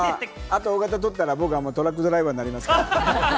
あと大型取ったら僕、トラックドライバーになりますよ。